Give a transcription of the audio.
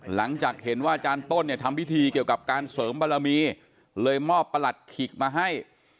หลังจากเห็นว่าอาจารย์ต้นเนี่ยทำพิธีเกี่ยวกับการเสริมบารมีเลยมอบประหลัดขิกมาให้